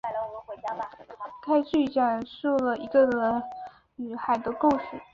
该剧讲述了一个人与海的故事。